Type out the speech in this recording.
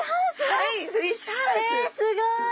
はい！